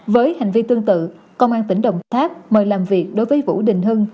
với hành vi tương tự công an tỉnh đồng tháp mời làm việc đối với vũ đình hưng